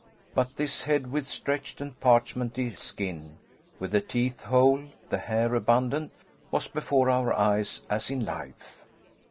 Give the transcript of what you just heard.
But this head with stretched and parchmenty skin, with the teeth whole, the hair abundant, was before our eyes as in life!